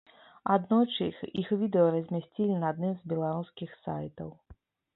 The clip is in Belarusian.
Аднойчы іх відэа размясцілі на адным з беларускіх сайтаў.